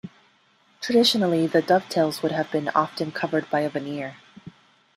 Traditionally, the dovetails would have often been covered by a veneer.